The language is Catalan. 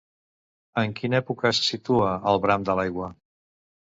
En quina època se situa El bram de l'aigua?